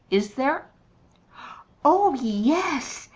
Is there?" "Oh, yes.